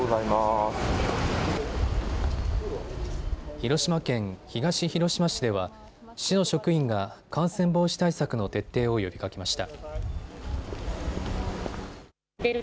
広島県東広島市では市の職員が感染防止対策の徹底を呼びかけました。